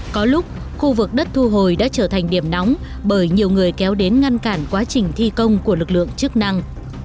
có lúc khu vực đất thu hồi đã trở thành điểm nóng bởi nhiều người kéo đến ngăn cản quá trình thi công của lực lượng chức năng